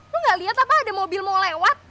lo gak liat apa ada mobil mau lewat